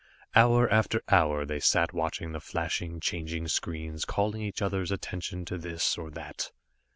Hour after hour they sat watching the flashing, changing screens, calling each other's attention to this, or that.